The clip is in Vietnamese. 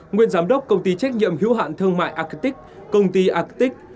nguyên giám đốc công ty trách nhiệm hữu hạn thương mại arctic công ty arctic